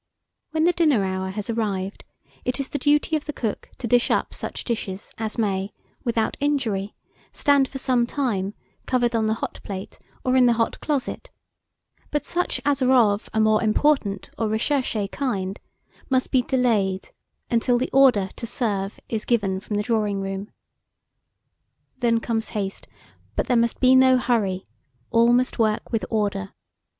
When the dinner hour has arrived, it is the duty of the cook to dish up such dishes as may, without injury, stand, for some time, covered on the hot plate or in the hot closet; but such as are of a more important or recherché kind, must be delayed until the order "to serve" is given from the drawing room. Then comes haste; but there must be no hurry, all must work with order.